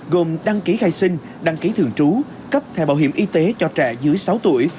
gồm đăng ký khai sinh đăng ký thường trú cấp thẻ bảo hiểm y tế cho trẻ dưới sáu tuổi